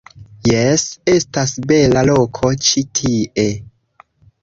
Jes, estas bela loko ĉi tie.